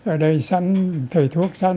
ở đây sánh thử thuốc sánh